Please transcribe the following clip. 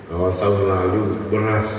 awal tahun lalu beras